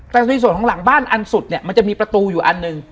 แต่ในส่วนของหลังบ้านอันสุดเนี่ยมันจะมีประตูอยู่อันหนึ่ง